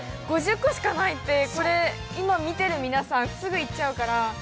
◆５０個しかないって、これ今見てる皆さん、すぐ行っちゃうから。